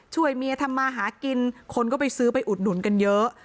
ช่วยเมียทำมาหากินคนก็ไปซื้อไปอุดหนุนกันเยอะ